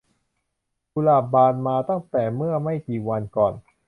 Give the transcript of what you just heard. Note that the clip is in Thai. กุหลาบบานมาตั้งแต่เมื่อไม่กี่วันก่อน